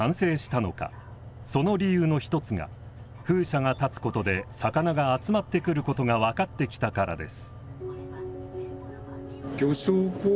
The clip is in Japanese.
その理由の一つが風車が建つことで魚が集まってくることが分かってきたからです。